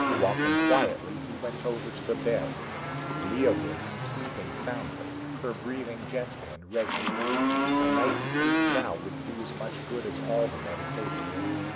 Walking quietly, he went over to the bed. Lea was sleeping soundly, her breathing gentle and regular. A night's sleep now would do as much good as all the medication.